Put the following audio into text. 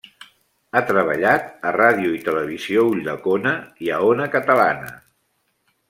Ha treballat a Ràdio i Televisió Ulldecona i a Ona Catalana.